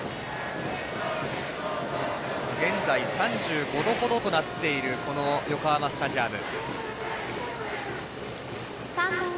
現在、３５度ほどとなっている横浜スタジアム。